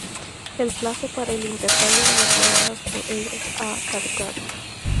El plazo para el intercambio de las monedas por euros ha caducado.